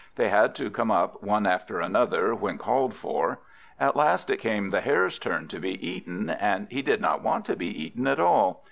They had to come up one after another, when called for. At last it came to the Hare's turn to be eaten, and he did not want to be eaten at all.